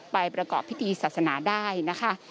ประกอบพิธีศาสนาได้นะคะ